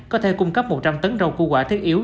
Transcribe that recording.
có thể cung cấp một trăm linh tấn rau củ quả thiết yếu